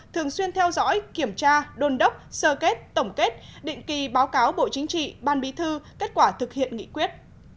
thường xuyên theo dõi kiểm tra đôn đốc sơ kết tổng kết định kỳ báo cáo bộ chính trị ban bí thư kết quả thực hiện nghị quyết